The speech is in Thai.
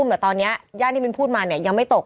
แต่ตอนนี้ย่านที่มิ้นพูดมาเนี่ยยังไม่ตก